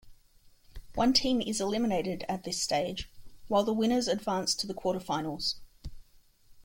One team is eliminated at this stage, while the winners advance to the quarter-finals.